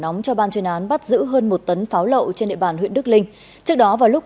nóng cho ban chuyên án bắt giữ hơn một tấn pháo lậu trên địa bàn huyện đức linh trước đó vào lúc